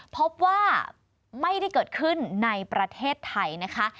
พบว่าไม่ได้เกิดขึ้นในประเทศไทยนะคะ